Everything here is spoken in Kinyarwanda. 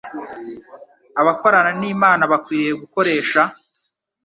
“Abakorana n’Imana bakwiriye gukoresha